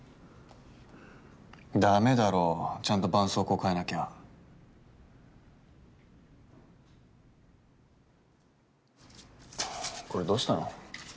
ダメだろちゃんとばんそうこう替えなきゃこれどうしたの？